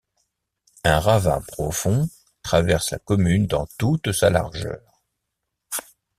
Un ravin profond traverse la commune dans toute sa largeur.